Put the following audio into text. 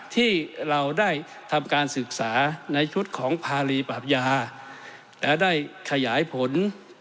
ที่เราได้ทำการศึกษาในชุดของภารีปราบยาและได้ขยายผล